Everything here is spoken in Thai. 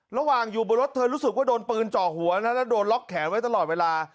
ระหว่างอยู่บนรถเธอรู้สึกว่าโดนปืนเจาะหัวนะแล้วโดนล็อกแขนไว้ตลอดเวลา